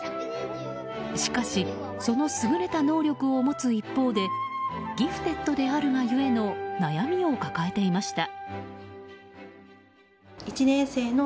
しかしその優れた能力を持つ一方でギフテッドであるがゆえの悩みを抱えていました。